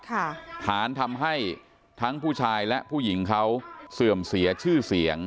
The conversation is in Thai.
ฐานทำให้ทั้งผู้ชายและผู้หญิงเขาเสื่อมเสียชื่อเสียง